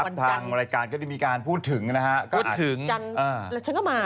ทางรายการก็ได้มีการพูดถึงนะฮะก็พูดถึงกันแล้วฉันก็มา